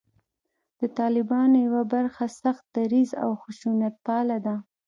د طالبانو یوه برخه سخت دریځه او خشونتپاله ده